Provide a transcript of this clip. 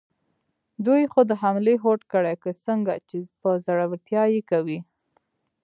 دوی خو د حملې هوډ کړی، که څنګه، چې په زړورتیا یې کوي؟